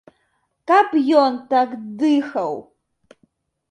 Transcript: Каб ён так дыхаў!